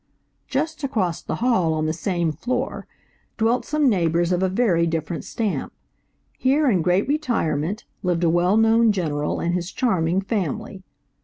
Just across the hall on the same floor, dwelt some neighbors of a very different stamp. Here, in great retirement, lived a well known general and his charming family.